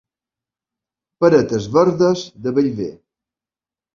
Peretes verdes de Bellver.